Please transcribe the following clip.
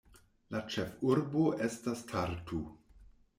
La ĉefurbo estas Tartu.